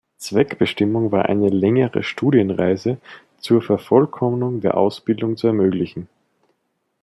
Zweckbestimmung war eine längere Studienreise zur Vervollkommnung der Ausbildung zu ermöglichen.